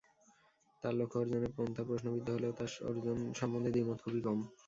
তাঁর লক্ষ্য অর্জনের পন্থা প্রশ্নবিদ্ধ হলেও তাঁর অর্জন সম্বন্ধে দ্বিমত খুবই কম।